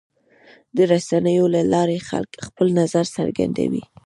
د رسنیو له لارې خلک خپل نظر څرګندوي.